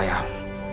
terima kasih artaya